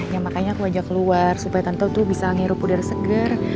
nah ya makanya aku ajak keluar supaya tante tuh bisa ngiru puder seger